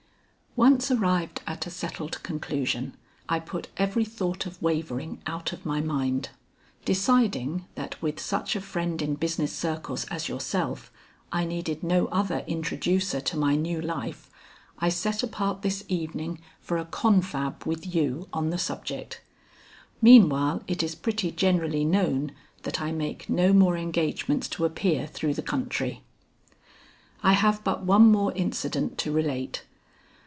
Once arrived at a settled conclusion, I put every thought of wavering out of my mind. Deciding that with such a friend in business circles as yourself, I needed no other introducer to my new life, I set apart this evening for a confab with you on the subject. Meanwhile it is pretty generally known that I make no more engagements to appear through the country. I have but one more incident to relate.